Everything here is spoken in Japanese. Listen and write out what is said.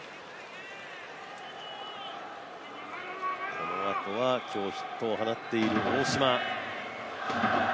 このあとは今日ヒットを放っている大島。